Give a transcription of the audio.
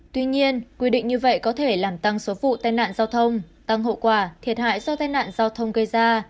tuy nhiên quy định như vậy có thể làm tăng số vụ tai nạn giao thông tăng hậu quả thiệt hại do tai nạn giao thông gây ra